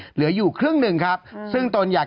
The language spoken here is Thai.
เหลืออยู่ครึ่งหนึ่งครับซึ่งตนอยาก